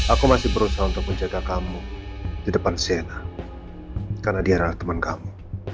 aku masih berusaha untuk menjaga kamu di depan sena karena dia adalah teman kamu